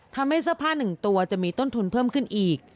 ทำให้เสื้อผ้า๑ตัวจะมีต้นทุนเพิ่มขึ้นอีก